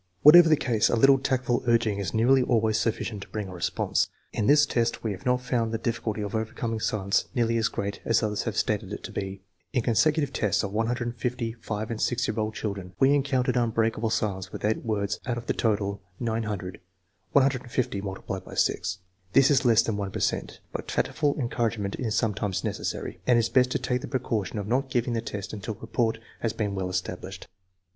Whatever the cause, a little tactful urging is nearly always sufficient to bring a response. In this test we have not found the difficulty of overcoming silence nearly as great as others have stated it to be. In consecutive tests of 150 5 and 6 year old children we encountered unbreakable silence with 8 words out of the total 900 (150 X 6). This is less than 1 per cent. But tactful encouragement is some times necessary, and it is best to take the precaution of not giving the test until rapport has been well established.